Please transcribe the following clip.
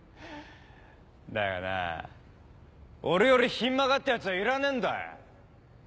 だがな俺よりひん曲がったヤツはいらねえんだよ。